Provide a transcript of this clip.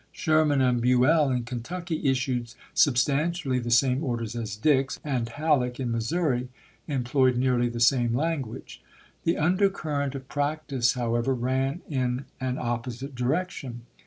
p.loi'. Sherman and Buell in Kentucky issued substan tially the same orders as Dix, and Halleck in Mis souri employed nearly the same language. The undercurrent of practice, however, ran in an op posite direction.